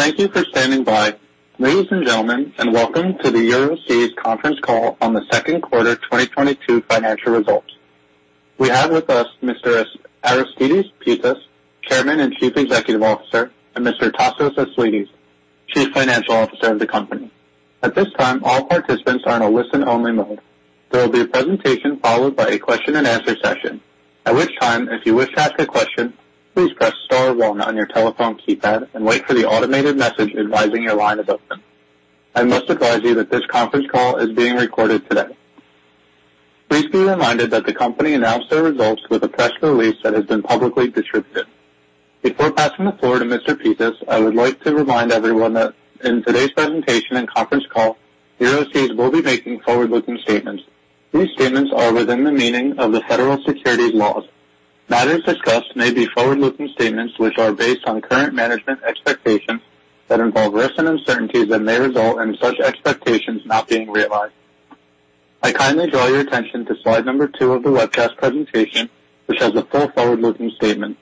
Thank you for standing by. Ladies and gentlemen, and welcome to the Euroseas conference call on the second quarter 2022 financial results. We have with us Mr. Aristides Pittas, Chairman and Chief Executive Officer, and Mr. Tasos Aslidis, Chief Financial Officer of the company. At this time, all participants are in a listen-only mode. There will be a presentation followed by a question-and-answer session. At which time, if you wish to ask a question, please press star one on your telephone keypad and wait for the automated message advising your line is open. I must advise you that this conference call is being recorded today. Please be reminded that the company announced their results with a press release that has been publicly distributed. Before passing the floor to Mr. Pittas, I would like to remind everyone that in today's presentation and conference call, Euroseas will be making forward-looking statements. These statements are within the meaning of the federal securities laws. Matters discussed may be forward-looking statements which are based on current management expectations that involve risks and uncertainties that may result in such expectations not being realized. I kindly draw your attention to slide number two of the webcast presentation, which has a full forward-looking statement,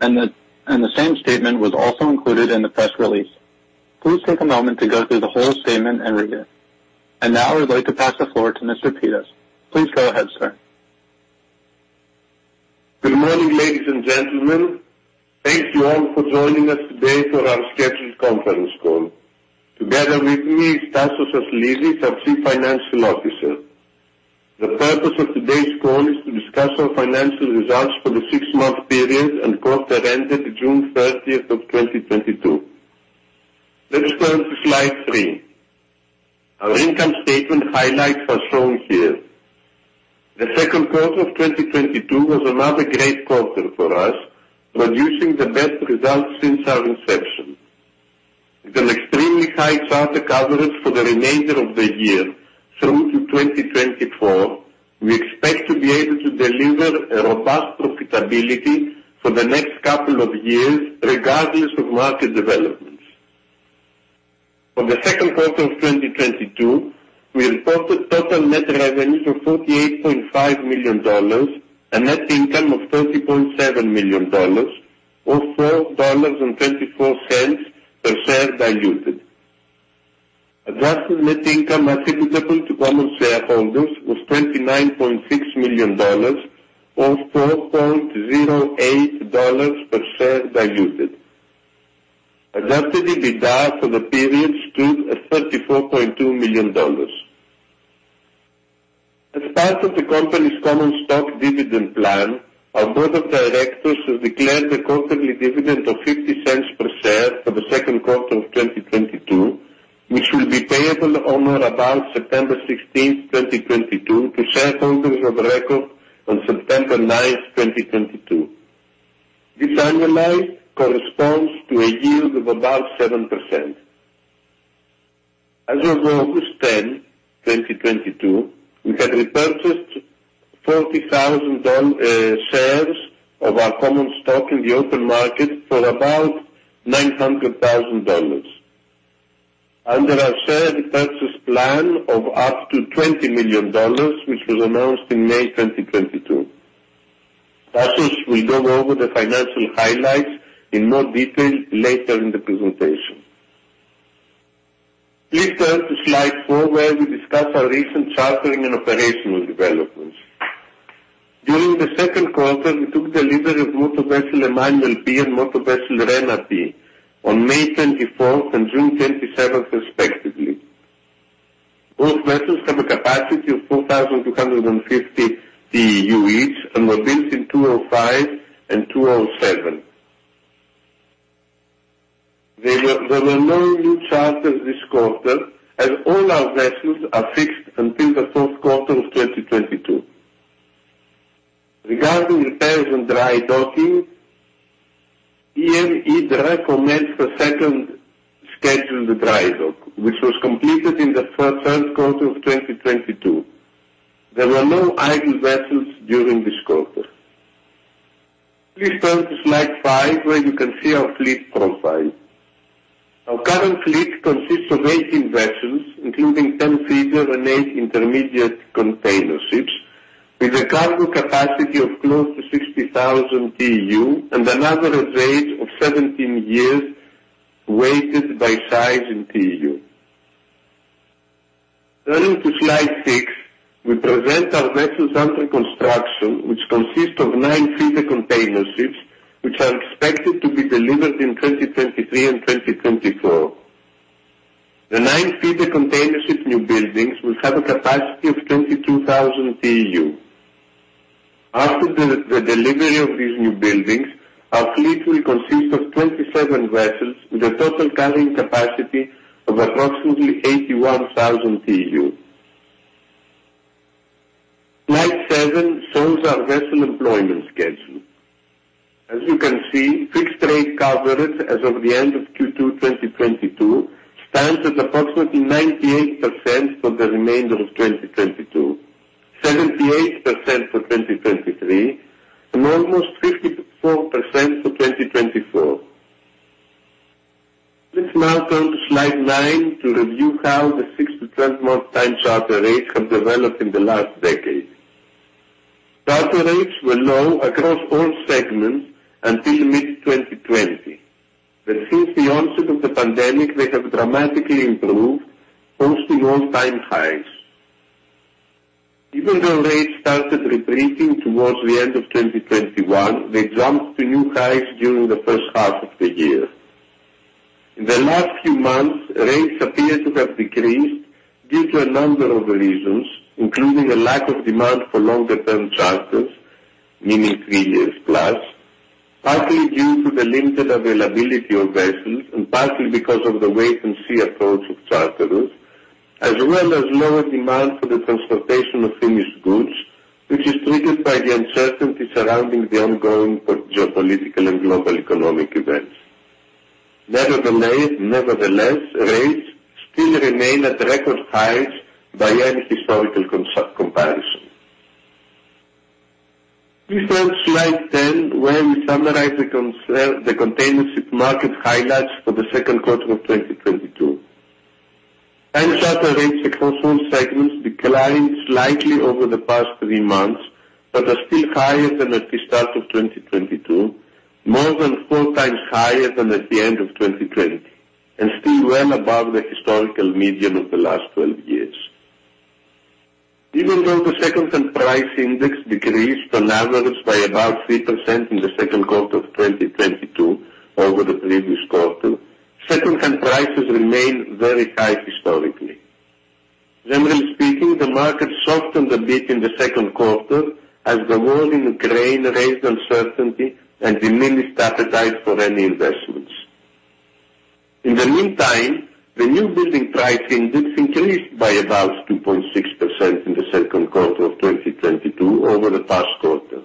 and the same statement was also included in the press release. Please take a moment to go through the whole statement and read it. Now I'd like to pass the floor to Mr. Pittas. Please go ahead, sir. Good morning, ladies and gentlemen. Thank you all for joining us today for our scheduled conference call. Together with me is Anastasios Aslidis, our Chief Financial Officer. The purpose of today's call is to discuss our financial results for the six-month period and quarter ended June 30th, 2022. Let's turn to slide three. Our income statement highlights are shown here. The second quarter of 2022 was another great quarter for us, producing the best results since our inception. With an extremely high charter coverage for the remainder of the year through to 2024, we expect to be able to deliver a robust profitability for the next couple of years regardless of market developments. For the second quarter of 2022, we reported total net revenue of $48.5 million and net income of $30.7 million or $4.24 per share diluted. Adjusted net income attributable to common shareholders was $29.6 million or $4.08 per share diluted. Adjusted EBITDA for the period stood at $34.2 million. As part of the company's common stock dividend plan, our board of directors has declared a quarterly dividend of $0.50 per share for the second quarter of 2022, which will be payable on or about September 16th, 2022 to shareholders of record on September 9th, 2022. This annualized corresponds to a yield of about 7%. As of August 10, 2022, we had repurchased 40,000 shares of our common stock in the open market for about $900,000 under our share repurchase plan of up to $20 million, which was announced in May 2022. Tassos will go over the financial highlights in more detail later in the presentation. Please turn to slide four where we discuss our recent chartering and operational developments. During the second quarter, we took delivery of motor vessel Emmanuel P and motor vessel Rena P on May 24 and June 27 respectively. Both vessels have a capacity of 4,250 TEU each and were built in 2005 and 2007. There were no new charters this quarter, as all our vessels are fixed until the fourth quarter of 2022. Regarding repairs and dry docking, here it recommends the second scheduled dry dock, which was completed in the first quarter of 2022. There were no idle vessels during this quarter. Please turn to slide five where you can see our fleet profile. Our current fleet consists of 18 vessels, including 10 feeder and eight intermediate container ships with a cargo capacity of close to 60,000 TEU and an average age of 17 years weighted by size and TEU. Turning to slide 6, we present our vessels under construction which consist of nine-feeder containerships which are expected to be delivered in 2023 and 2024. The nine-feeder containership new buildings will have a capacity of 22,000 TEU. After the delivery of these new buildings, our fleet will consist of 27 vessels with a total carrying capacity of approximately 81,000 TEU. Slide seven shows our vessel employment schedule. As you can see, fixed rate coverage as of the end of Q2 2022 stands at approximately 98% for the remainder of 2022. 78% for 2023 and almost 54% for 2024. Please now turn to slide nine to review how the 6- to 12-month time charter rates have developed in the last decade. Charter rates were low across all segments until mid-2020. Since the onset of the pandemic, they have dramatically improved, posting all-time highs. Even though rates started retreating towards the end of 2021, they jumped to new highs during the first half of the year. In the last few months, rates appear to have decreased due to a number of reasons, including a lack of demand for longer-term charters, meaning three years plus, partly due to the limited availability of vessels and partly because of the wait-and-see approach of charterers, as well as lower demand for the transportation of finished goods, which is triggered by the uncertainty surrounding the ongoing geopolitical and global economic events. Nevertheless, rates still remain at record highs by any historical comparison. Please turn to slide 10, where we summarize the containership market highlights for the second quarter of 2022. Time charter rates across all segments declined slightly over the past three months, but are still higher than at the start of 2022, more than four times higher than at the end of 2020, and still well above the historical median of the last 12 years. Even though the second-hand price index decreased on average by about 3% in the second quarter of 2022 over the previous quarter, second-hand prices remain very high historically. Generally speaking, the market softened a bit in the second quarter as the war in Ukraine raised uncertainty and diminished appetite for any investments. In the meantime, the newbuilding price index increased by about 2.6% in the second quarter of 2022 over the past quarter.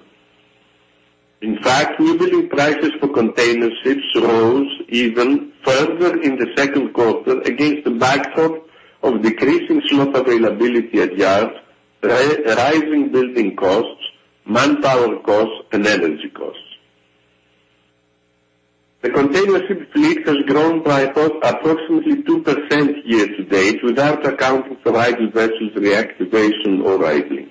In fact, newbuilding prices for containerships rose even further in the second quarter against the backdrop of decreasing slot availability at yards, rising building costs, manpower costs, and energy costs. The containership fleet has grown by approximately 2% year to date without accounting for idle vessels reactivation or idling.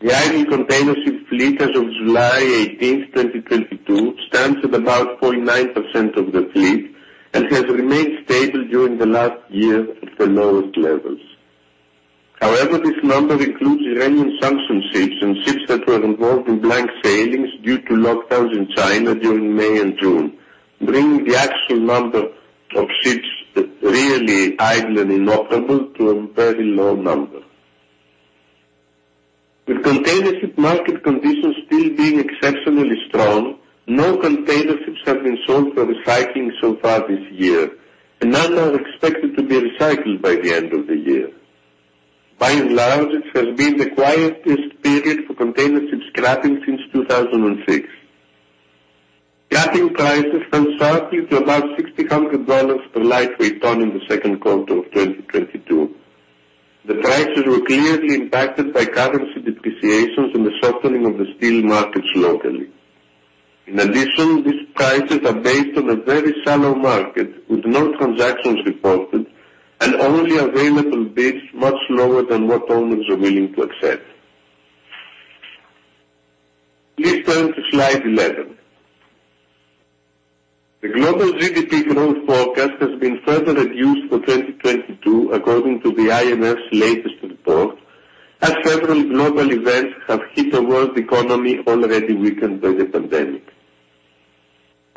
The idle containership fleet as of July 18th, 2022, stands at about 0.9% of the fleet and has remained stable during the last year at the lowest levels. However, this number includes Iranian sanction ships and ships that were involved in blank sailings due to lockdowns in China during May and June, bringing the actual number of ships really idle and inoperable to a very low number. With containership market conditions still being exceptionally strong, no containerships have been sold for recycling so far this year, and none are expected to be recycled by the end of the year. By and large, it has been the quietest period for containership scrapping since 2006. Scrapping prices fell sharply to about $600 per lightweight ton in the second quarter of 2022. The prices were clearly impacted by currency depreciations and the softening of the steel markets locally. In addition, these prices are based on a very shallow market with no transactions reported and only available bids much lower than what owners are willing to accept. Please turn to slide 11. The global GDP growth forecast has been further reduced for 2022 according to the IMF's latest report, as several global events have hit the world economy already weakened by the pandemic.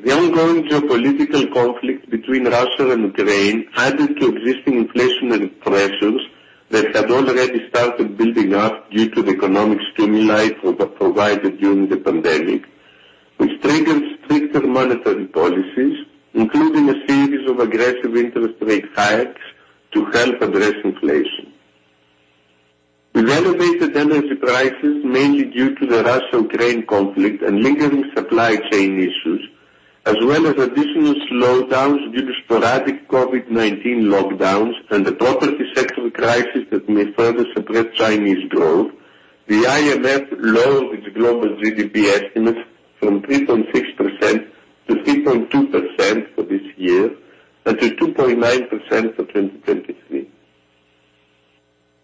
The ongoing geopolitical conflict between Russia and Ukraine added to existing inflationary pressures that had already started building up due to the economic stimuli that were provided during the pandemic, which triggered stricter monetary policies, including a series of aggressive interest rate hikes to help address inflation. With elevated energy prices mainly due to the Russia-Ukraine conflict and lingering supply chain issues, as well as additional slowdowns due to sporadic COVID-19 lockdowns and the property sector crisis that may further suppress Chinese growth, the IMF lowered its global GDP estimates from 3.6% to 3.2% for this year and to 2.9% for 2023.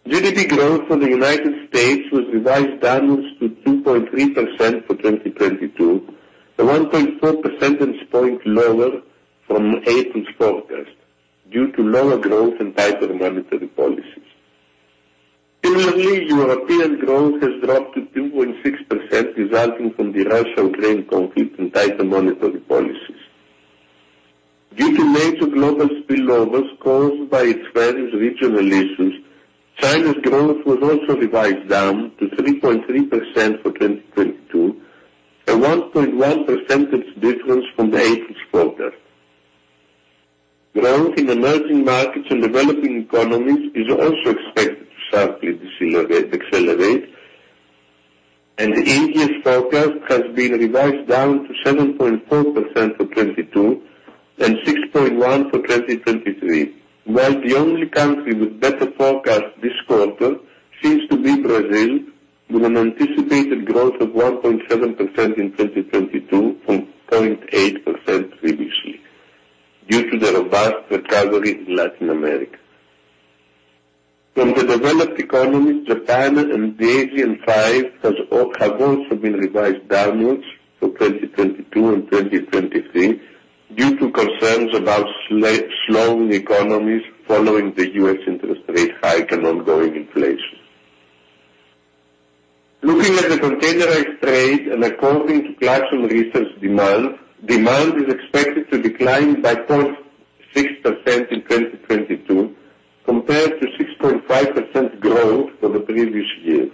GDP growth for the United States was revised downwards to 2.3% for 2022, 1.4 percentage point lower from April's forecast due to lower growth and tighter monetary policies. Similarly, European growth has dropped to 2.6%, resulting from the Russia-Ukraine conflict and tighter monetary policies. Due to major global spillovers caused by its various regional issues, China's growth was also revised down to 3.3% for 2022, a 1.1 percentage difference from the April forecast. Growth in emerging markets and developing economies is also expected to sharply decelerate, and India's forecast has been revised down to 7.4% for 2022 and 6.1% for 2023, while the only country with better forecast this quarter seems to be Brazil with an anticipated growth of 1.7% in 2022 from 0.8% previously. Due to the robust recovery in Latin America. From the developed economies, Japan and the ASEAN-5 have also been revised downwards for 2022 and 2023 due to concerns about slowing economies following the U.S. interest rate hike and ongoing inflation. Looking at the containerized trade and according to Clarksons Research, demand is expected to decline by 0.6% in 2022 compared to 6.5% growth from the previous year.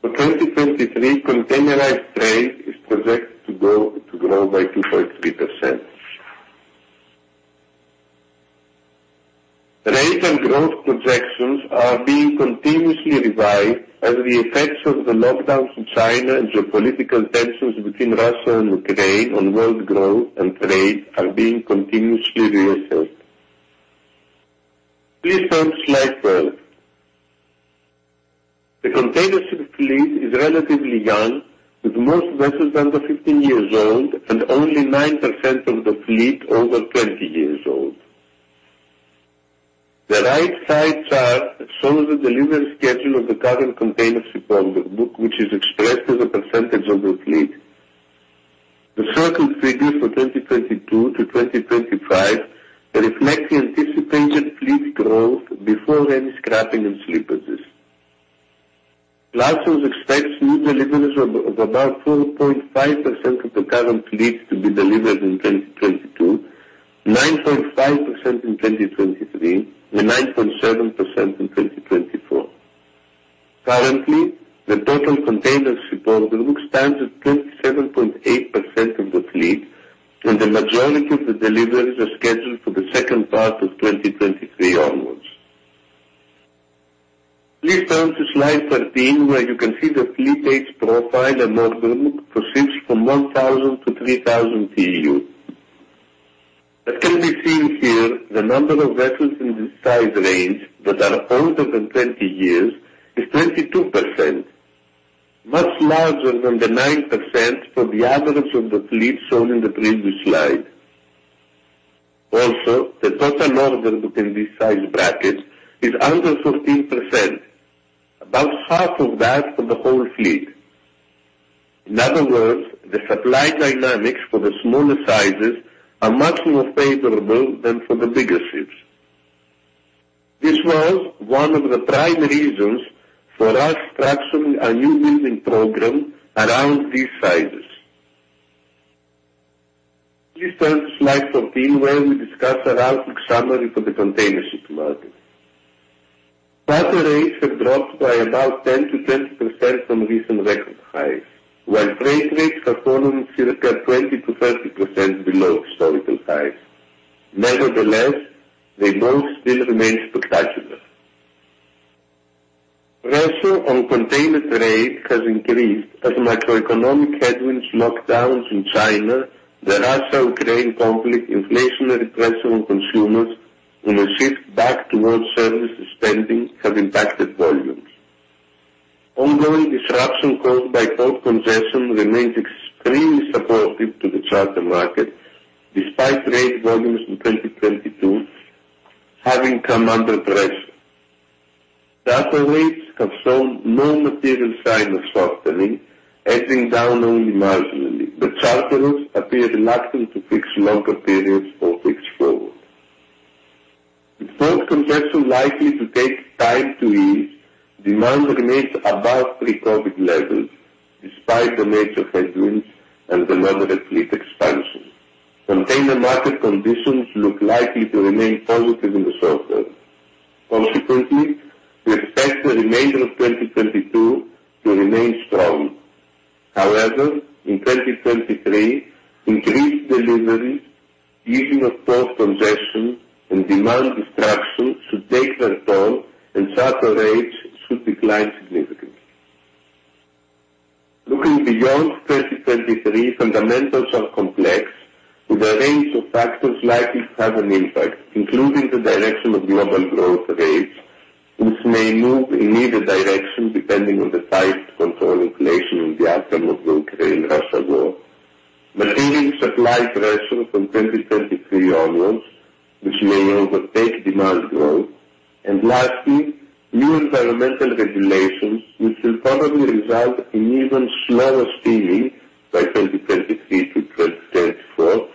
For 2023, containerized trade is projected to grow by 2.3%. Rate and growth projections are being continuously revised as the effects of the lockdowns in China and geopolitical tensions between Russia and Ukraine on world growth and trade are being continuously researched. Please turn to slide 12. The container ship fleet is relatively young, with most vessels under 15 years old and only 9% of the fleet over 20 years old. The right-side chart shows the delivery schedule of the current container ship order book, which is expressed as a percentage of the fleet. The Clarksons figures for 2022-2025 reflect the anticipated fleet growth before any scrapping and slippages. Clarksons expects new deliveries of about 4.5% of the current fleet to be delivered in 2022, 9.5% in 2023, and 9.7% in 2024. Currently, the total container ship order book stands at 27.8% of the fleet, and the majority of the deliveries are scheduled for the second part of 2023 onwards. Please turn to slide 13, where you can see the fleet age profile and order book for ships from 1,000-3,000 TEU. As can be seen here, the number of vessels in this size range that are older than 20 years is 22%, much larger than the 9% for the average of the fleet shown in the previous slide. Also, the total order book in this size bracket is under 14%, about half of that for the whole fleet. In other words, the supply dynamics for the smaller sizes are much more favorable than for the bigger ships. This was one of the prime reasons for us structuring our newbuilding program around these sizes. Please turn to slide 14, where we discuss a rapid summary for the container ship market. Charter rates have dropped by about 10%-20% from recent record highs, while freight rates are currently circa 20%-30% below historical highs. Nevertheless, they both still remain spectacular. Pressure on container trade has increased as macroeconomic headwinds, lockdowns in China, the Russia-Ukraine conflict, inflationary pressure on consumers, and a shift back towards services spending have impacted volumes. Ongoing disruption caused by port congestion remains extremely supportive to the charter market despite trade volumes in 2022 having come under pressure. Charter rates have shown no material sign of softening, edging down only marginally, but charterers appear reluctant to fix longer periods or fix forward. With port congestion likely to take time to ease, demand remains above pre-COVID levels despite the mix of headwinds and the moderate fleet expansion. Container market conditions look likely to remain positive in the short term. Consequently, we expect the remainder of 2022 to remain strong. However, in 2023, increased deliveries, easing of port congestion, and demand destruction should take their toll, and charter rates should decline significantly. Looking beyond 2023, fundamentals are complex, with a range of factors likely to have an impact, including the direction of global growth rates, which may move in either direction depending on the fight to control inflation in the outcome of the Ukraine-Russia war. Continuing supply pressure from 2023 onwards, which may overtake demand growth. Lastly, new environmental regulations, which will probably result in even slower steaming by 2023 to 2024,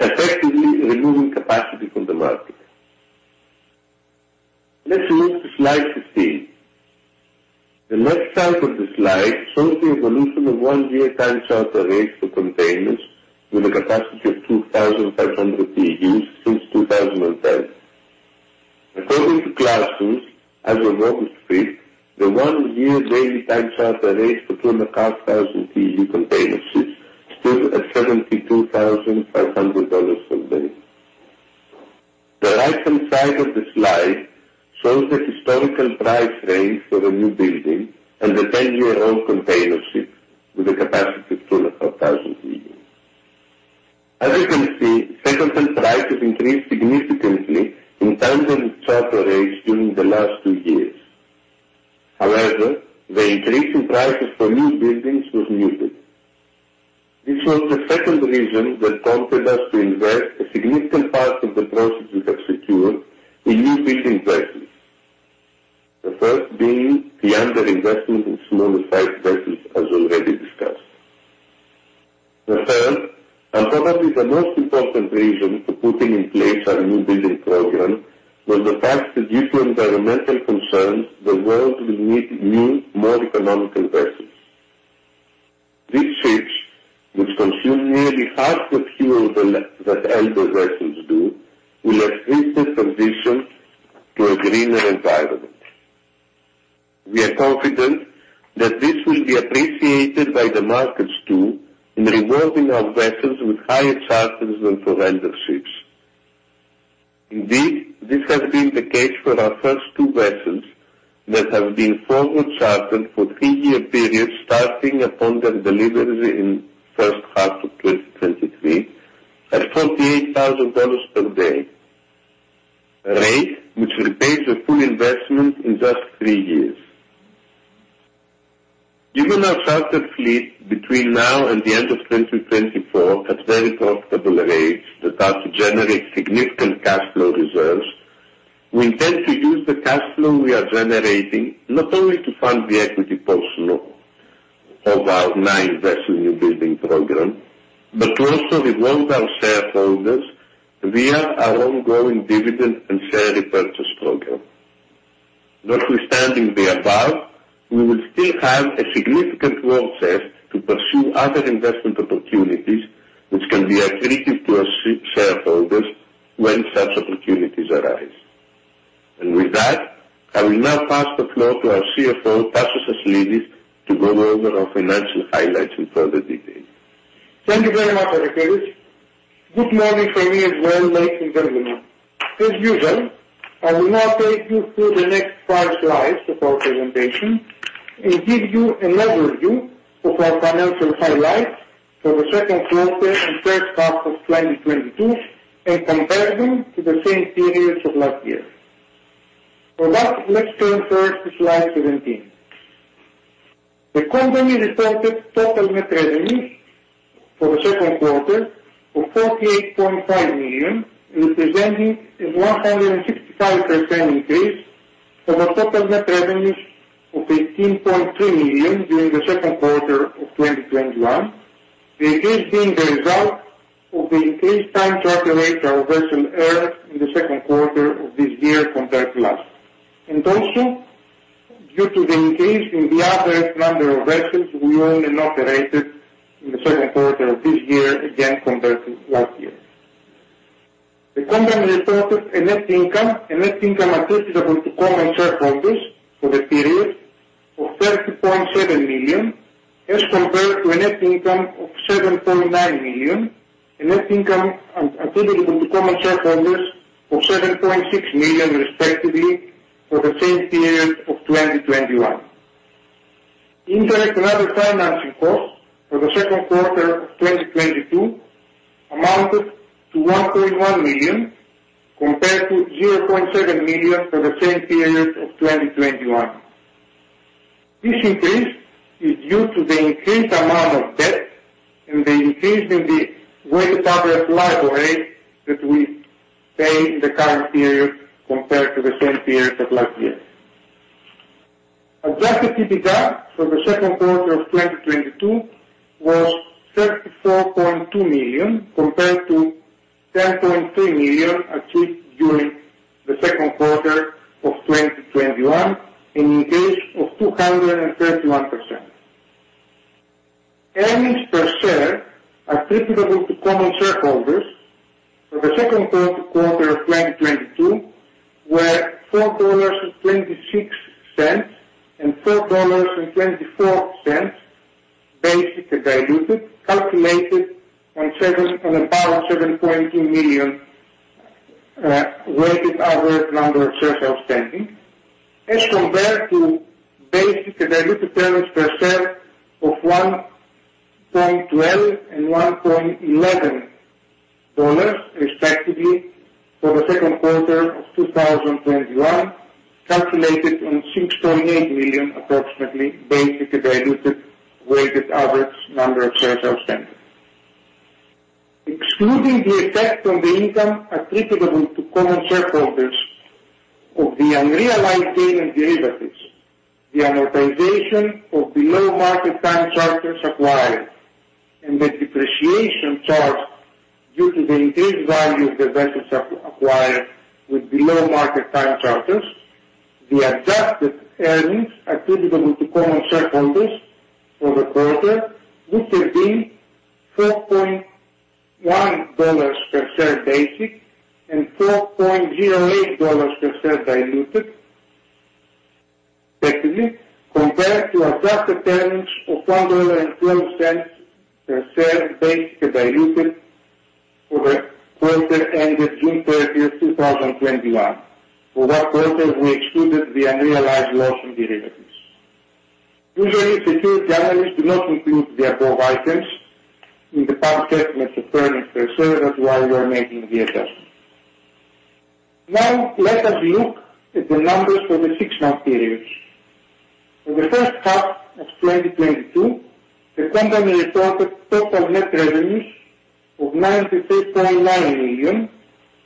effectively removing capacity from the market. Let's move to slide 15. The left side of the slide shows the evolution of one-year time charter rates for containers with a capacity of 2,500 TEUs since 2010. According to Clarksons, as of August 5th, the one-year daily time charter rate for 2,500 TEU container ships stood at $72,500 per day. The right-hand side of the slide shows the historical price range for a newbuilding and the 10-year-old container ship with a capacity of 2,500 TEU. As you can see, second-hand price has increased significantly in terms of its charter rates during the last two years. However, the increase in prices for newbuildings was muted. This was the second reason that prompted us to invest a significant part of the proceeds we have secured in newbuilding vessels. The first being the underinvestment in smaller size vessels, as already discussed. The third, and probably the most important reason for putting in place our newbuilding program, was the fact that due to environmental concerns, the world will need new, more economical vessels. These ships, which consume nearly half the fuel that elder vessels do, will assist the transition to a greener environment. We are confident that this will be appreciated by the markets, too, in rewarding our vessels with higher charters than for older ships. Indeed, this has been the case for our first two vessels that have been forward chartered for three-year periods, starting upon their deliveries in first half of 2023 at $48,000 per day. A rate which repays the full investment in just three years. Given our chartered fleet between now and the end of 2024 at very profitable rates that are to generate significant cash flow reserves, we intend to use the cash flow we are generating, not only to fund the equity portion of our nine-vessel newbuilding program, but to also reward our shareholders via our ongoing dividend and share repurchase program. Notwithstanding the above, we will still have a significant war chest to pursue other investment opportunities which can be accretive to our shareholders when such opportunities arise. With that, I will now pass the floor to our CFO, Anastasios Aslidis, to go over our financial highlights in further detail. Thank you very much, Aristides Pittas. Good morning from me as well, ladies and gentlemen. As usual, I will now take you through the next five slides of our presentation and give you an overview of our financial highlights for the second quarter and first half of 2022 and compare them to the same periods of last year. For that, let's turn first to slide 17. The company reported total net revenues for the second quarter of $48.5 million, representing a 165% increase from total net revenues of $18.3 million during the second quarter of 2021. The increase being the result of the increased time charter rates our vessels earned in the second quarter of this year compared to last. Also, due to the increase in the number of vessels, we own and operated in the second quarter of this year, again, compared to last year. The company reported a net income, a net income attributable to common shareholders for the period of $30.7 million, as compared to a net income of $7.9 million. A net income attributable to common shareholders of $7.6 million, respectively, for the same period of 2021. Interest and other financing costs for the second quarter of 2022 amounted to $1.1 million, compared to $0.7 million for the same period of 2021. This increase is due to the increased amount of debt and the increase in the weighted average LIBOR rate that we pay in the current period compared to the same period of last year. Adjusted EBITDA for the second quarter of 2022 was $34.2 million, compared to $10.3 million achieved during the second quarter of 2021, an increase of 231%. Earnings per share attributable to common shareholders for the second quarter of 2022 were $4.26 and $4.24, basic and diluted, calculated on about 7.2 million weighted average number of shares outstanding. As compared to basic and diluted earnings per share of $1.12 and $1.11 respectively for the second quarter of 2021, calculated on 6.8 million approximately basic and diluted weighted average number of shares outstanding. Excluding the effect on the income attributable to common shareholders of the unrealized gain in derivatives, the amortization of below-market time charters acquired, and the depreciation charge due to the increased value of the vessels acquired with below-market time charters, the adjusted earnings attributable to common shareholders for the quarter would have been $4.1 per share basic and $4.08 per share diluted, respectively, compared to adjusted earnings of $1.12 per share basic and diluted for the quarter ended June 30th, 2021. For that quarter we excluded the unrealized loss in derivatives. Usually, securities analysts do not include the above items in the public estimates of earnings per share. That's why we are making the adjustment. Now let us look at the numbers for the six-month period. For the first half of 2022, the company reported total net revenues of $93.9 million,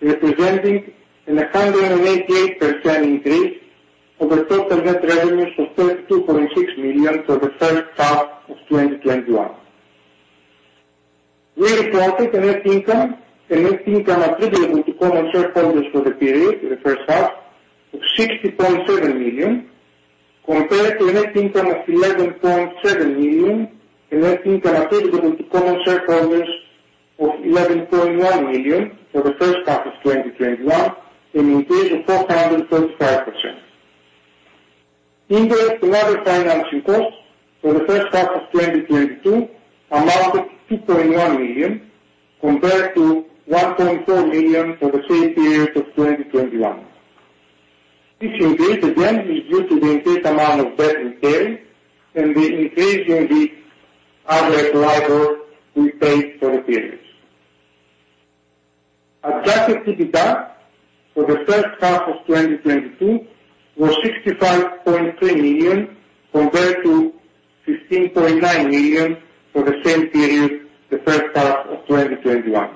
representing a 188% increase over total net revenues of $22.6 million for the first half of 2021. We reported a net income attributable to common shareholders for the period, the first half, of $60.7 million compared to a net income of $11.7 million and net income attributable to common shareholders of $11.1 million for the first half of 2021, an increase of 435%. Interest and other financing costs for the first half of 2022 amounted to $2.1 million compared to $1.4 million for the same period of 2021. This increase again is due to the increased amount of debt repaid and the increase in the interest we paid for the period. Adjusted EBITDA for the first half of 2022 was $65.3 million, compared to $15.9 million for the same period, the first half of 2021.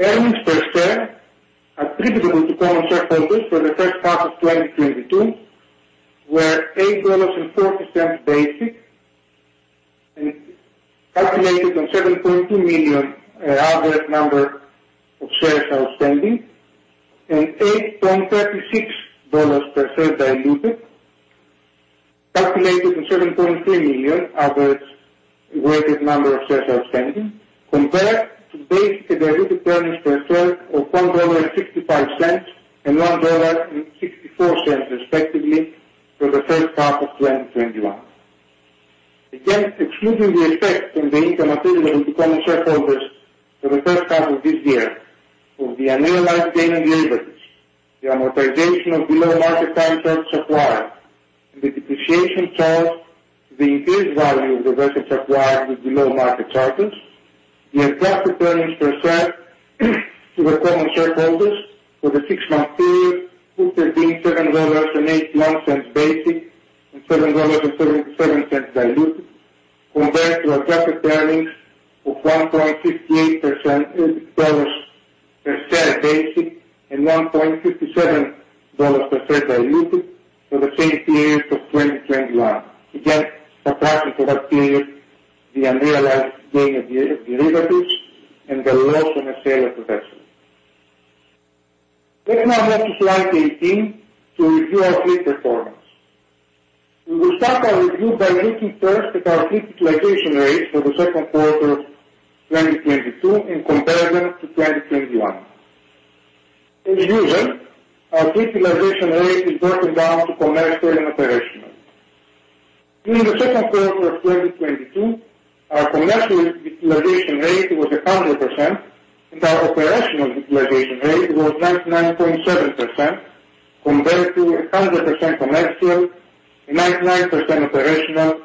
Earnings per share attributable to common shareholders for the first half of 2022 were $8.04 basic and calculated on 7.2 million average number of shares outstanding and $8.36 per share diluted, calculated to 7.3 million average weighted number of shares outstanding compared to basic and diluted earnings per share of $1.65 and $1.64, respectively, for the first half of 2021. Excluding the effect on the income attributable to common shareholders for the first half of this year of the unrealized gain on derivatives, the amortization of below-market time charters and the depreciation charged, the increased value of the vessels acquired with below-market charters, the adjusted earnings per share to the common shareholders for the six-month period would have been $7.81 basic and $7.77 diluted compared to adjusted earnings of $1.58 per share basic and $1.57 per share diluted for the same period of 2021. Subtracting for that period the unrealized gain on derivatives and the loss on the sale of the vessel. Let's now move to slide 18 to review our fleet performance. We will start our review by looking first at our fleet utilization rates for the second quarter of 2022 in comparison to 2021. As usual, our fleet utilization rate is broken down to commercial and operational. During the second quarter of 2022, our commercial utilization rate was 100% and our operational utilization rate was 99.7% compared to 100% commercial and 99% operational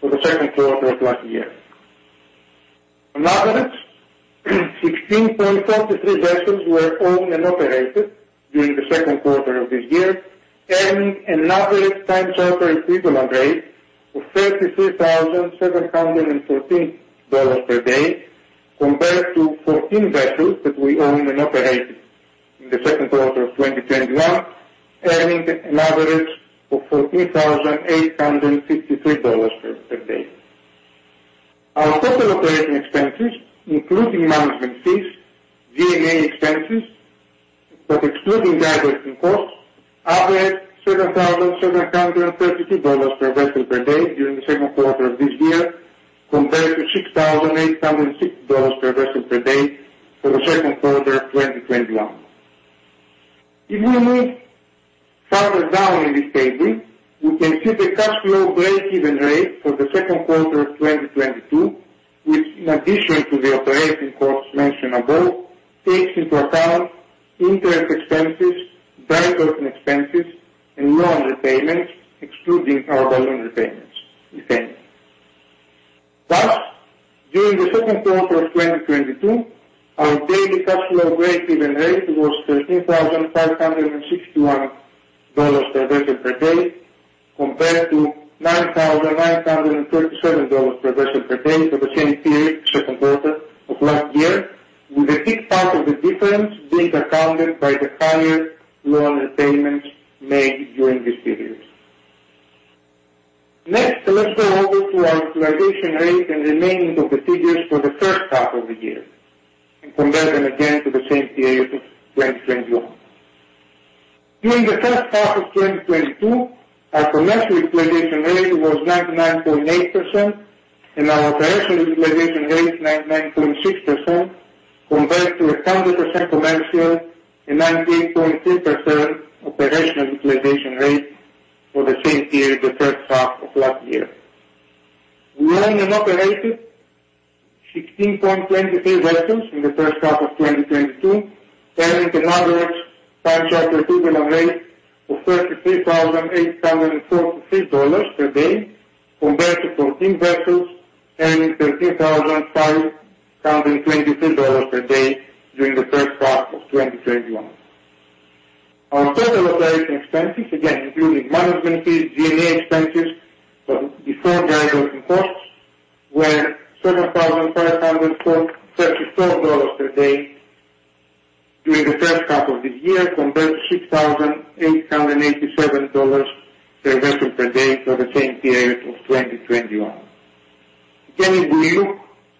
for the second quarter of last year. On average, 16.43 vessels were owned and operated during the second quarter of this year, earning an average Time Charter Equivalent rate of $33,714 per day compared to 14 vessels that we own and operated in the second quarter of 2021, earning an average of $14,853 per day. Our total operating expenses, including management fees, D&A expenses, but excluding dry docking costs, averaged $7,732 per vessel per day during the second quarter of this year, compared to $6,860 per vessel per day for the second quarter of 2021. If we move further down in this table, we can see the cash flow breakeven rate for the second quarter of 2022, which in addition to the operating costs mentioned above, takes into account interest expenses, dry docking expenses and loan repayments, excluding our balloon repayments, if any. Thus, during the second quarter of 2022, our daily cash flow breakeven rate was $13,561 per vessel per day, compared to $9,937 per vessel per day for the same period, second quarter of last year, with a big part of the difference being accounted by the higher loan repayments made during this period. Next, let's go over to our utilization rate and remainder of the figures for the first half of the year and compare them again to the same period of 2021. During the first half of 2022, our commercial utilization rate was 99.8% and our operational utilization rate 99.6% compared to 100% commercial and 98.3% operational utilization rate for the same period, the first half of last year. We owned and operated 16.23 vessels in the first half of 2022, earning an average time charter equivalent rate of $33,846 per day compared to 14 vessels earning $13,523 per day during the first half of 2021. Our total operating expenses, again including management fees, G&A expenses, but before variable costs were $7,534 per day during the first half of this year, compared to $6,887 per vessel per day for the same period of 2021. If we look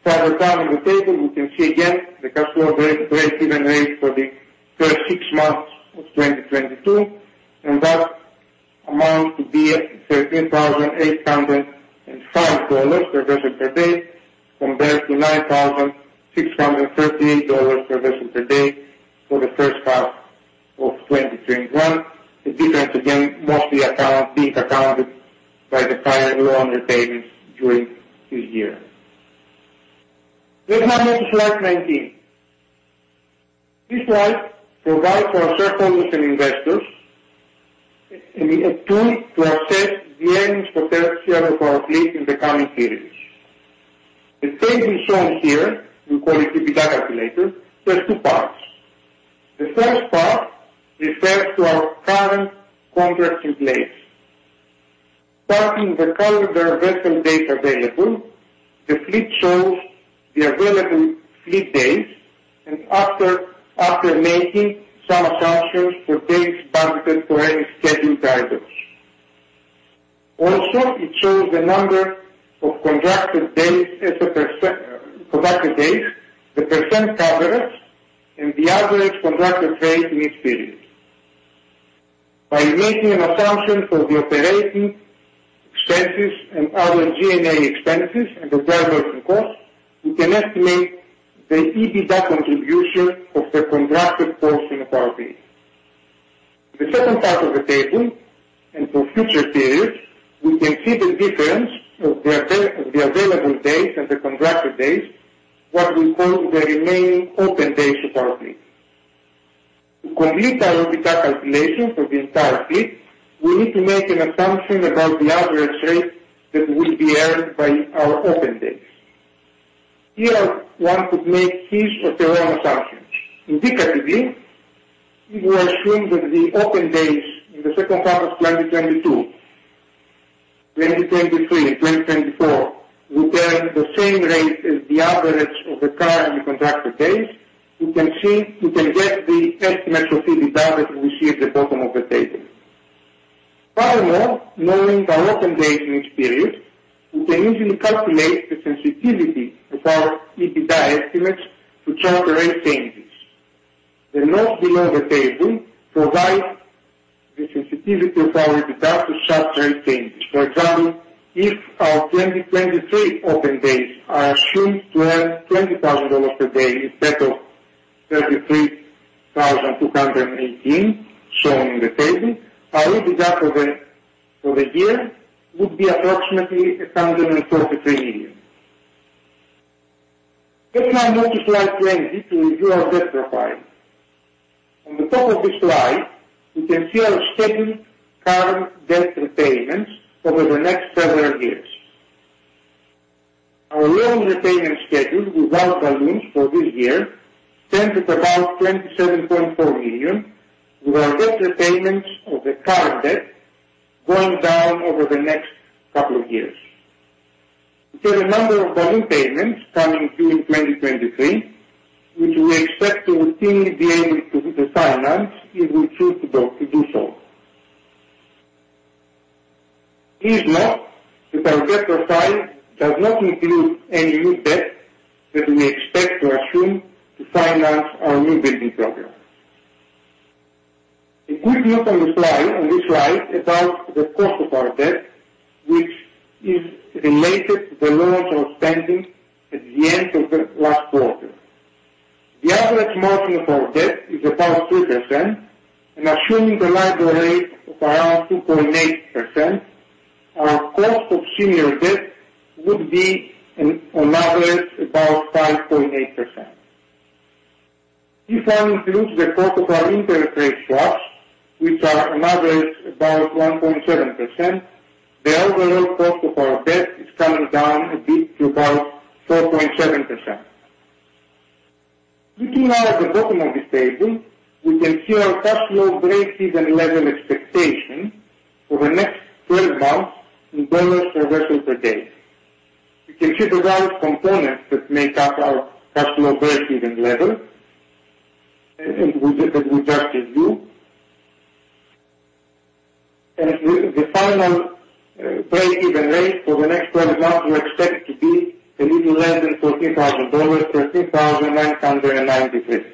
further down in the table, we can see the cash flow breakeven rate for the first six months of 2022, and that amounts to $13,805 per vessel per day, compared to $9,638 per vessel per day for the first half of 2021. The difference, mostly accounted for by the higher loan repayments during this year. Let's now move to slide 19. This slide provides our shareholders and investors a tool to assess the earnings potential of our fleet in the coming periods. The table shown here, we call it the EBITDA calculator, there are two parts. The first part refers to our current contracts in place. Starting with current available data, the fleet shows the available fleet days and, after making some assumptions for days budgeted for any scheduled dry docks. It shows the number of contracted days as a percent, the percent coverage and the average contracted rate in each period. By making an assumption for the operating expenses and other G&A expenses and the dry-docking costs, we can estimate the EBITDA contribution of the contracted portion in our fleet. The second part of the table, and for future periods, we can see the difference of the available days and the contracted days, what we call the remaining open days of our fleet. To complete our EBITDA calculation for the entire fleet, we need to make an assumption about the average rate that will be earned by our open days. Here one could make his or her own assumptions. Indicatively, if we assume that the open days in the second half of 2022, 2023 and 2024 will earn the same rate as the average of the current contracted days, you can see, you can get the estimates of EBITDA that we see at the bottom of the table. Furthermore, knowing our open days in each period, we can easily calculate the sensitivity of our EBITDA estimates to charter rate changes. The note below the table provides the sensitivity of our EBITDA to such rate changes. For example, if our 2023 open days are assumed to earn $20,000 per day instead of $33,218 shown in the table, our EBITDA for the year would be approximately $143 million. Let's now move to slide 20 to review our debt profile. On the top of this slide, we can see our scheduled current debt repayments over the next several years. Our loan repayment schedule without balloons for this year stands at about $27.4 million, with our debt repayments of the current debt going down over the next couple of years. We have a number of balloon payments coming due in 2023, which we expect to routinely be able to refinance if we choose to go, to do so. Please note that our debt profile does not include any new debt that we expect to assume to finance our newbuilding program. A quick look on the slide, on this slide about the cost of our debt, which is related to the loans outstanding at the end of the last quarter. The average margin of our debt is about 2% and assuming a LIBOR rate of around 2.8%, our cost of senior debt would be on average about 5.8%. If one includes the cost of our interest rate swaps, which are on average about 1.7%, the overall cost of our debt is coming down a bit to about 4.7%. Looking now at the bottom of this table, we can see our cash flow breakeven level expectation for the next 12 months in dollars per vessel per day. You can see the various components that make up our cash flow breakeven level and we just reviewed. The final breakeven rate for the next 12 months we expect to be a little less than $13,000, 13,993.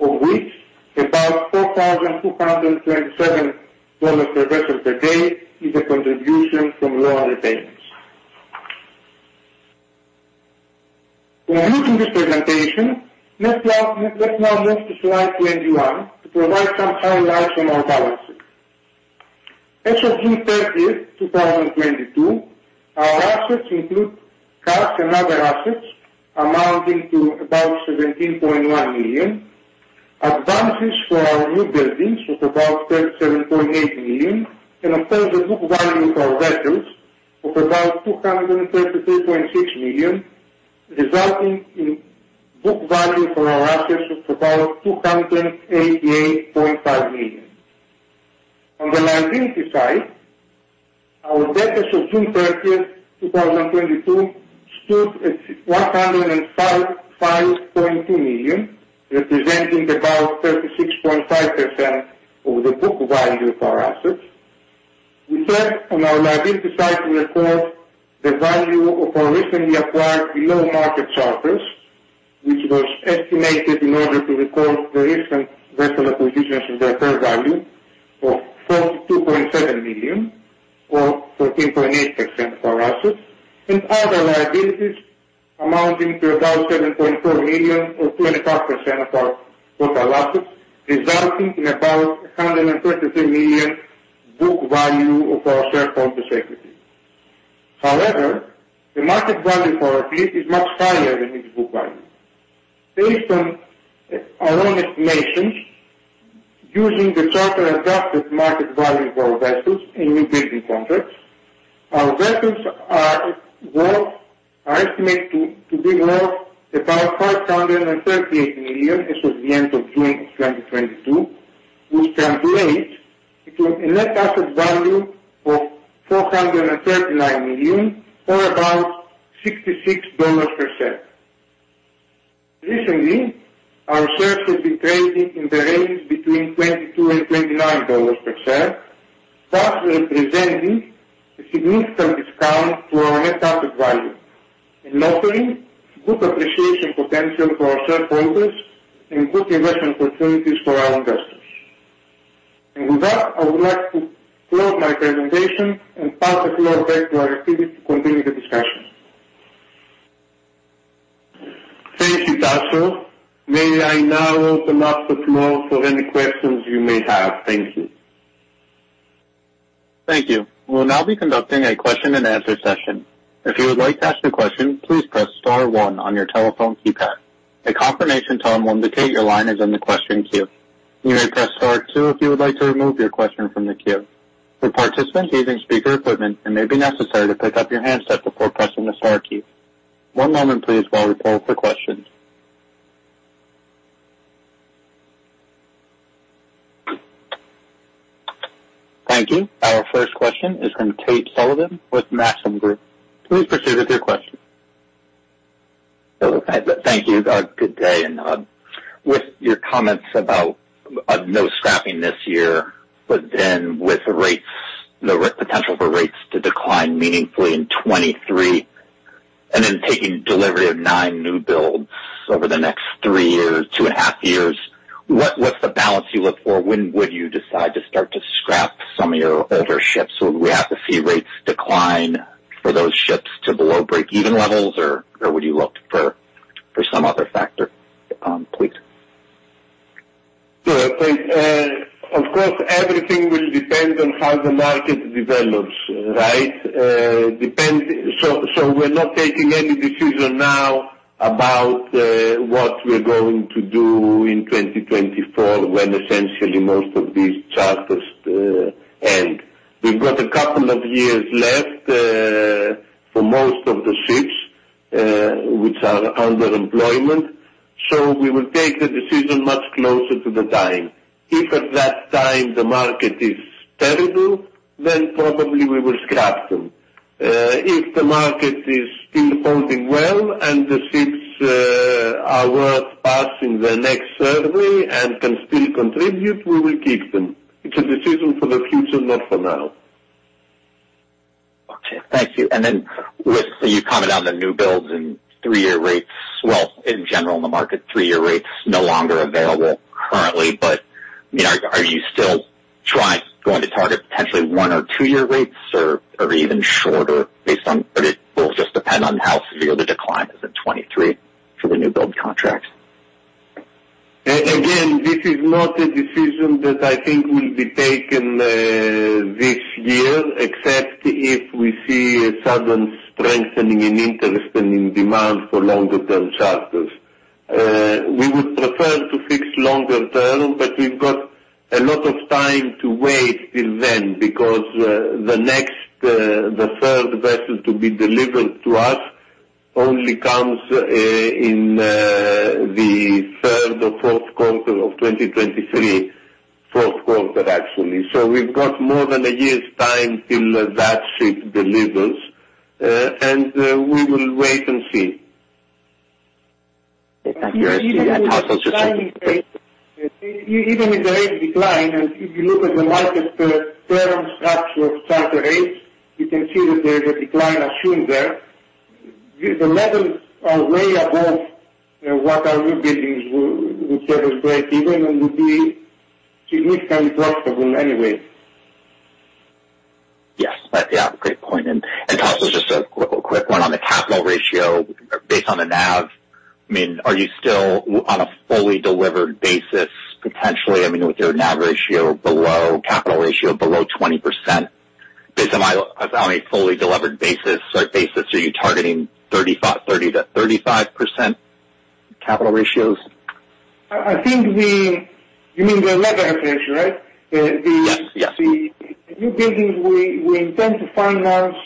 Of which about $4,027 per vessel per day is a contribution from loan repayments. In conclusion of this presentation, let's now move to slide 21 to provide some highlights on our balance sheet. As of June 30th, 2022, our assets include cash and other assets amounting to about $17.1 million, advances for our new buildings of about $37.8 million and, of course, the book value of our vessels of about $233.6 million, resulting in book value for our assets of about $288.5 million. On the liability side, our debt as of June 30th, 2022 stood at $155.2 million, representing about 36.5% of the book value of our assets. We said on our liability side, we record the value of our recently acquired below-market charters, which was estimated in order to record the recent vessel acquisitions and their fair value of $42.7 million or 13.8% of our assets and other liabilities amounting to about $7.4 million or 2.5% of our total assets, resulting in about $133 million book value of our shareholders' equity. However, the market value for our fleet is much higher than its book value. Based on our own estimations, using the charter-adjusted market value of our vessels in newbuilding contracts, our vessels are estimated to be worth about $538 million as of the end of June 2022, which translates into a net asset value of $439 million or about $66 per share. Recently, our shares have been trading in the range between $22-$29 per share, thus representing a significant discount to our net asset value and offering good appreciation potential for our shareholders and good investment opportunities for our investors. With that, I would like to close my presentation and pass the floor back to Aristides Pittas to continue the discussion. Thank you, Anastasios. May I now open up the floor for any questions you may have? Thank you. Thank you. We'll now be conducting a question and answer session. If you would like to ask a question, please press star one on your telephone keypad. A confirmation tone will indicate your line is in the question queue. You may press star two if you would like to remove your question from the queue. For participants using speaker equipment, it may be necessary to pick up your handset before pressing the star key. One moment please while we poll for questions. Thank you. Our first question is from Tate Sullivan with Maxim Group. Please proceed with your question. Thank you. Good day. With your comments about no scrapping this year, but then with the rates, the potential for rates to decline meaningfully in 2023 and then taking delivery of nine new builds over the next threears, three and a half years, what's the balance you look for? When would you decide to start to scrap some of your older ships? Would we have to see rates decline for those ships to below break-even levels? Or would you look for some other factor, please? Yeah, thanks. Of course, everything will depend on how the market develops, right? So we're not taking any decision now about what we're going to do in 2024 when essentially most of these charters end. We've got a couple of years left for most of the ships which are under employment, so we will take the decision much closer to the time. If at that time the market is terrible, then probably we will scrap them. If the market is still holding well and the ships are worth passing the next survey and can still contribute, we will keep them. It's a decision for the future, not for now. Okay, thank you. With what you commented on the new builds and three-year rates, well, in general in the market, three-year rates no longer available currently. I mean, are you still trying to target potentially one or two-year rates or even shorter, or it will just depend on how severe the decline is in 2023 for the new build contracts? Again, this is not a decision that I think will be taken this year except if we see a sudden strengthening in interest and in demand for longer term charters. We would prefer to fix longer term, but we've got a lot of time to wait till then because the next, the third vessel to be delivered to us only comes in the third or fourth quarter of 2023. Fourth quarter, actually. We've got more than a year's time till that ship delivers, and we will wait and see. Thank you. I see a hand. Even if the rates decline, and if you look at the market, term structure of charter rates, you can see that there is a decline assumed there. The levels are way above, what our newbuildings would set as breakeven and would be significantly profitable anyway. Yeah, great point. Also just a quick one on the capital ratio based on the NAV. I mean, are you still on a fully delivered basis potentially? I mean, with your NAV ratio below capital ratio below 20% based on a fully delivered basis, so are you targeting 30%-35% capital ratios? I think you mean the leverage ratio, right? Yes. Yes. The newbuildings we intend to finance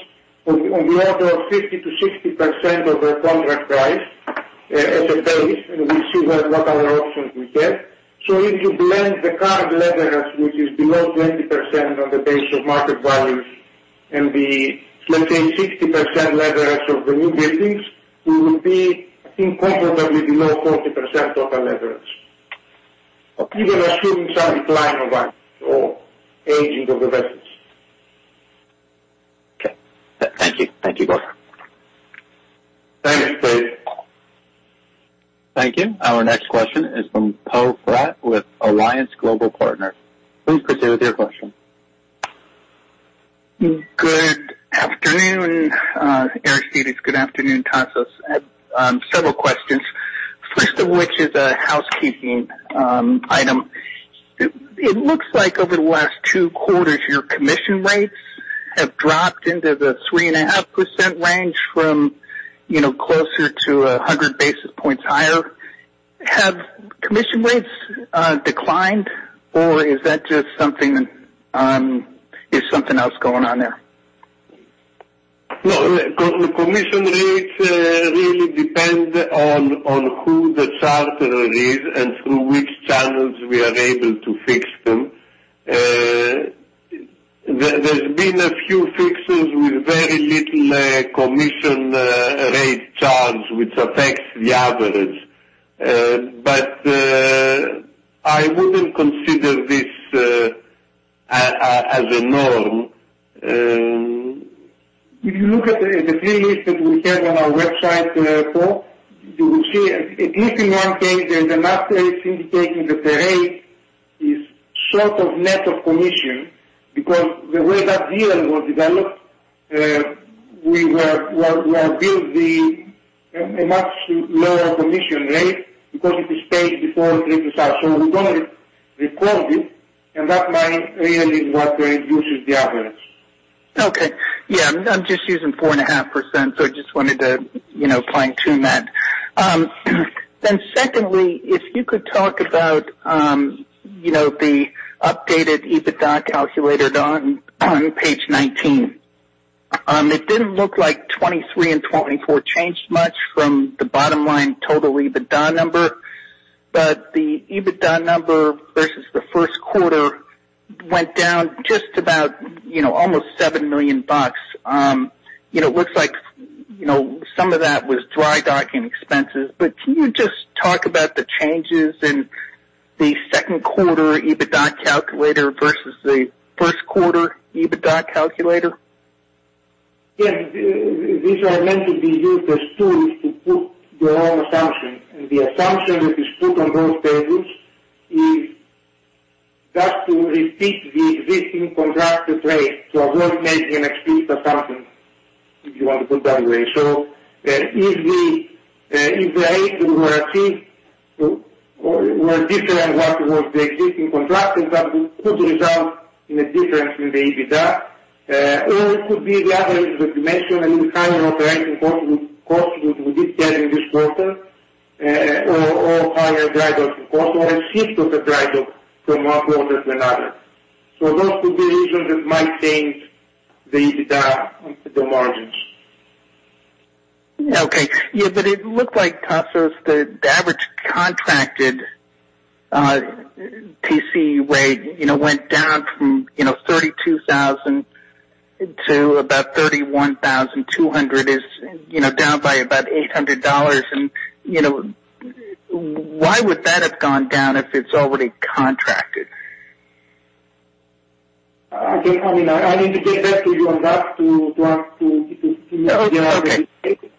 on the order of 50%-60% of the contract price as a base, and we see what other options we get. If you blend the current leverage, which is below 20% on the basis of market values and the, let's say, 60% leverage of the newbuildings, we will be, I think, comfortably below 40% of the leverage. Okay. Even assuming some decline of values or aging of investments. Okay. Thank you. Thank you, both. Thanks, Dave. Thank you. Our next question is from Poe Fratt with Alliance Global Partners. Please proceed with your question. Good afternoon, Tasos Aslidis. Good afternoon, Tasos Aslidis. Several questions, first of which is a housekeeping item. It looks like over the last two quarters, your commission rates have dropped into the 3.5% range from closer to 100 basis points higher. Have commission rates declined, or is that just something that is something else going on there? No. Commission rates really depend on who the charterer is and through which channels we are able to fix them. There's been a few fixes with very little commission rate charge, which affects the average. I wouldn't consider this as a norm. If you look at the three lists that we have on our website, Poe Fratt, you will see at least in one case, there is a marked case indicating that the rate is sort of net of commission because the way that deal was developed, we were billed a much lower commission rate because it is paid before it reaches us. We don't record it, and that money really is what reduces the average. Okay. Yeah, I'm just using 4.5%, so I just wanted to, you know, fine-tune that. Then secondly, if you could talk about, you know, the updated EBITDA calculator on page 19. It didn't look like 2023 and 2024 changed much from the bottom-line total EBITDA number. The EBITDA number versus the first quarter went down just about, you know, almost $7 million. You know, it looks like, you know, some of that was dry docking expenses, but can you just talk about the changes in the second quarter EBITDA calculator versus the first quarter EBITDA calculator? Yes. These are meant to be used as tools to put your own assumptions. The assumption that is put on both tables is just to repeat the existing contracted rate to avoid making an explicit assumption, if you want to put that way. If the rates were achieved or were different than what was the existing contract, that would result in a difference in the EBITDA. Or it could be the other way as you mentioned, a little higher operating cost which we did get in this quarter, or higher drydocking cost or a shift of the drydock from one quarter to another. Those could be reasons that might change the EBITDA, the margins. It looked like, Tasos, the average contracted TC rate, you know, went down from $32,000 to about $31,200, you know, down by about $800. You know, why would that have gone down if it's already contracted? I mean, I need to get back to you on that to see. Okay. Mainly it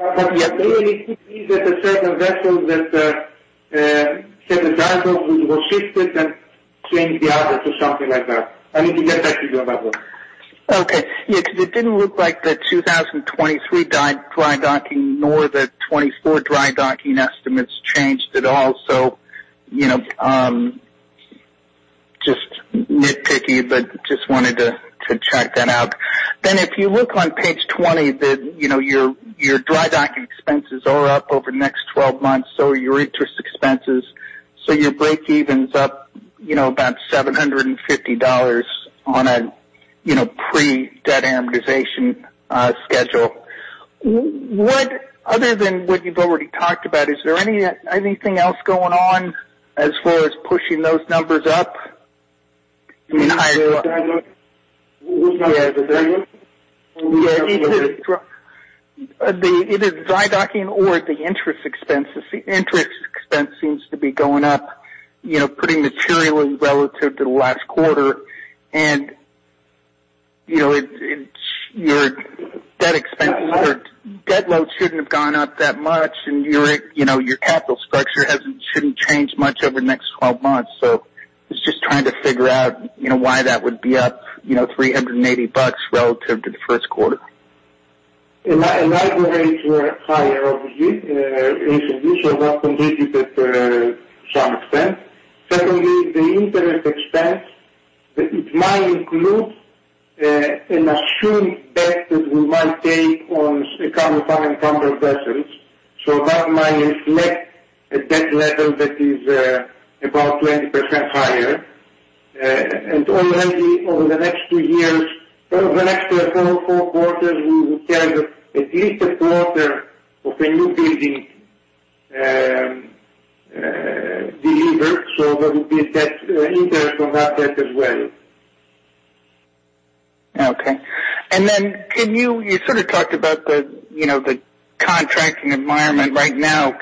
means that a certain vessel that say the drydock was shifted and changed the others or something like that. I need to get back to you on that one. Okay. Yeah. It didn't look like the 2023 drydocking, nor the 2024 drydocking estimates changed at all. You know, just nitpicky, but just wanted to check that out. If you look on page 20, you know, your drydock expenses are up over the next 12 months. Your interest expenses. Your breakeven's up, you know, about $750 on a, you know, pre-debt amortization schedule. What, other than what you've already talked about, is there anything else going on as far as pushing those numbers up? I mean, higher. Which numbers? The drydock? Yeah. Which numbers are those? It is dry docking or the interest expenses. The interest expense seems to be going up, you know, pretty materially relative to the last quarter. You know, it's your debt expenses or debt load shouldn't have gone up that much and your, you know, your capital structure hasn't, shouldn't change much over the next 12 months. I was just trying to figure out, you know, why that would be up, you know, $380 relative to the first quarter. Our rates were higher obviously recently, so that contributed to some expense. Secondly, the interest expense, it might include an assumed debt that we might take on a couple of vessels. That might reflect a debt level that is about 20% higher. Already over the next two years or over the next four quarters, we will carry at least a quarter of the newbuildings delivered. There will be debt interest on that debt as well. Okay. You sort of talked about the, you know, the contracting environment right now,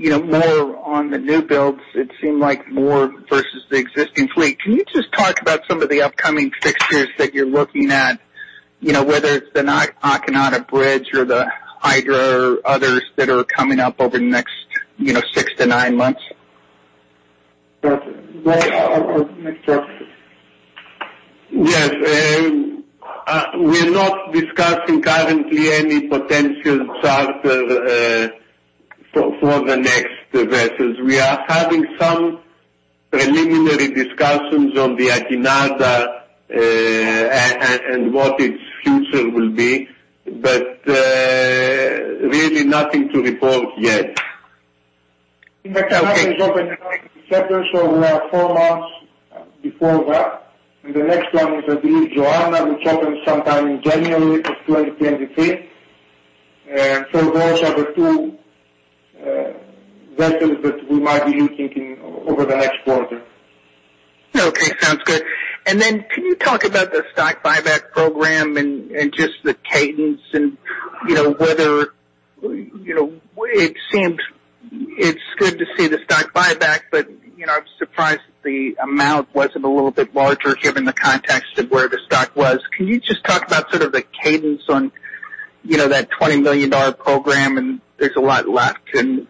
you know, more on the new builds, it seemed like more versus the existing fleet. Can you just talk about some of the upcoming fixtures that you're looking at? You know whether it's the Akinada Bridge or the EM Hydra or others that are coming up over the next, you know, six to nine months. Yes. Well, I'll let Nick talk. Yes. We're not discussing currently any potential charter for the next vessels. We are having some preliminary discussions on the Akinada and what its future will be. Really nothing to report yet. We are four months before that. The next one is, I believe, Joanna, which opens sometime in January of 2023. Those are the two vessels that we might be looking in over the next quarter. Okay. Sounds good. Then can you talk about the stock buyback program and just the cadence and, you know, whether, you know, it seems it's good to see the stock buyback, but, you know, I'm surprised the amount wasn't a little bit larger given the context of where the stock was. Can you just talk about sort of the cadence on, you know, that $20 million program, and there's a lot left and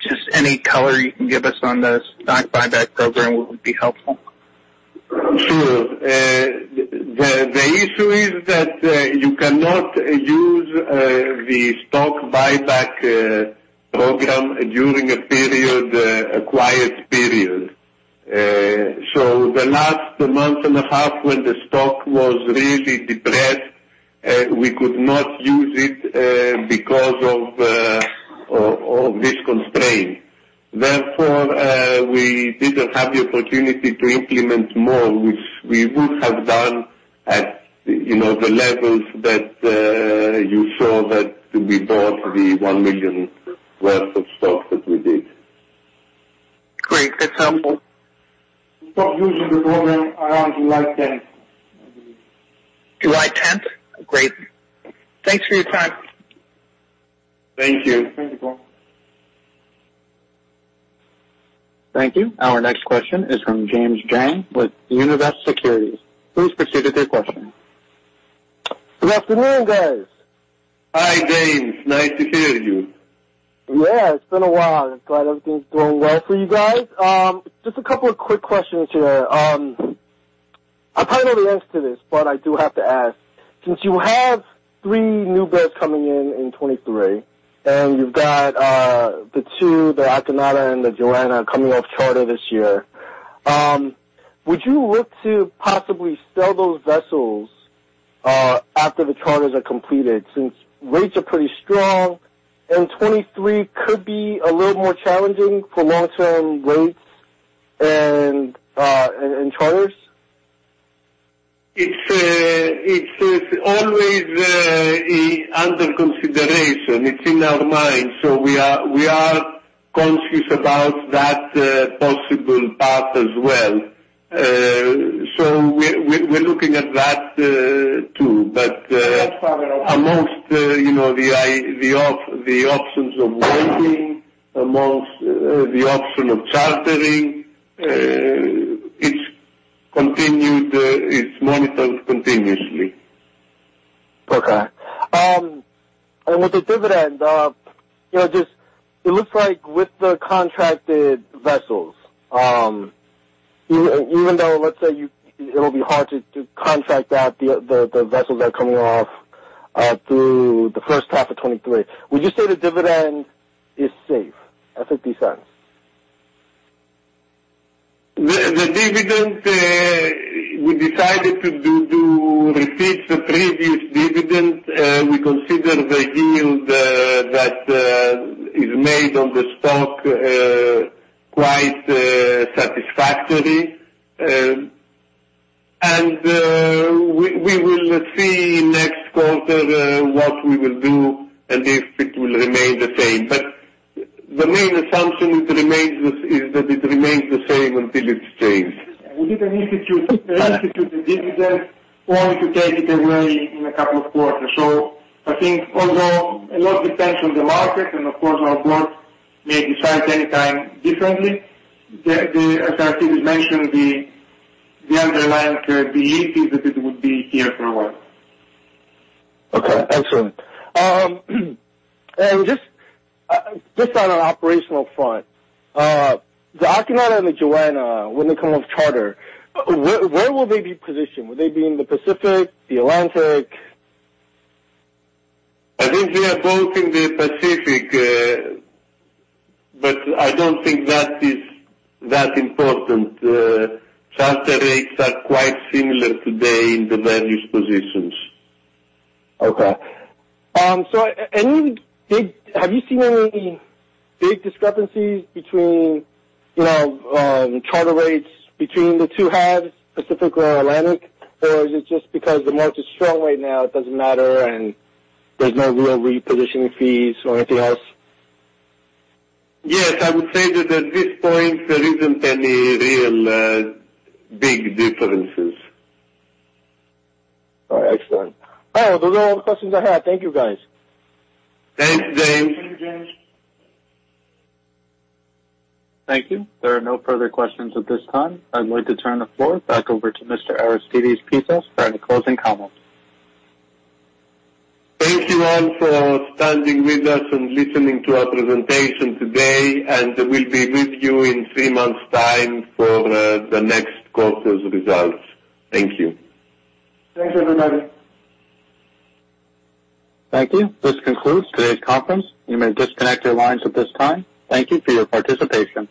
just any color you can give us on the stock buyback program would be helpful. Sure. The issue is that you cannot use the stock buyback program during a period, a quiet period. The last month and a half when the stock was really depressed, we could not use it because of this constraint. Therefore, we didn't have the opportunity to implement more which we would have done at, you know, the levels that you saw that we bought the $1 million worth of stock that we did. Great. Good example. We stopped using the program around July 10th. July 10th? Great. Thanks for your time. Thank you. Thank you. Thank you. Our next question is from James Jang with Univest Securities. Please proceed with your question. Good afternoon, guys. Hi, James. Nice to hear you. Yeah, it's been a while. I'm glad everything's going well for you guys. Just a couple of quick questions here. I probably know the answer to this, but I do have to ask. Since you have three new builds coming in in 2023, and you've got the two, the Akinada and the Joanna coming off charter this year, would you look to possibly sell those vessels after the charters are completed since rates are pretty strong and 2023 could be a little more challenging for long-term rates and charters? It's always under consideration. It's in our minds. We are conscious about that possible path as well. We're looking at that too. That's part of the. Amongst, you know, the options of waiting, amongst the option of chartering, it's continued. It's monitored continuously. Okay. With the dividend, you know, just it looks like with the contracted vessels, even though let's say you it'll be hard to contract out the vessels are coming off through the first half of 2023. Would you say the dividend is safe at $0.50? The dividend we decided to repeat the previous dividend. We consider the yield that is made on the stock quite satisfactory. We will see next quarter what we will do and if it will remain the same. The main assumption it remains is that it remains the same until it's changed. We didn't institute the dividend only to take it away in a couple of quarters. I think although a lot depends on the market and of course our board may decide anytime differently. As Aristides mentioned, the underlying belief is that it would be here for a while. Okay. Excellent. Just on an operational front, the Akinada and the Joanna when they come off charter, where will they be positioned? Will they be in the Pacific, the Atlantic? I think they are both in the Pacific, but I don't think that is that important. Charter rates are quite similar today in the various positions. Okay, have you seen any big discrepancies between, you know, charter rates between the two halves, Pacific or Atlantic? Or is it just because the market's strong right now it doesn't matter and there's no real repositioning fees or anything else? Yes, I would say that at this point there isn't any real, big differences. All right. Excellent. All right. Those are all the questions I had. Thank you guys. Thanks, James. Thank you, James. Thank you. There are no further questions at this time. I'd like to turn the floor back over to Mr. Aristides Pittas for any closing comments. Thank you all for standing with us and listening to our presentation today, and we'll be with you in three months' time for the next quarter's results. Thank you. Thanks, everybody. Thank you. This concludes today's conference. You may disconnect your lines at this time. Thank you for your participation.